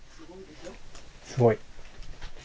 すごい。